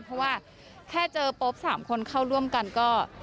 เพราะว่าแค่เจอปุ๊บ๓คนเข้าร่วมกันก็